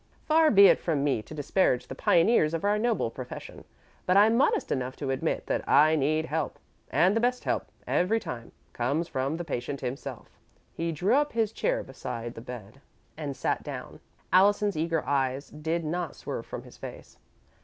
Far be it from me to disparage the pioneers of our noble profession, but I'm modest enough to admit that I need help, and the best help, every time, comes from the patient himself." He drew up his chair beside the bed and sat down. Allison's eager eyes did not swerve from his face.